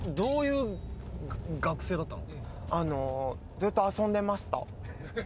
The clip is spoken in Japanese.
「ずっと遊んでました」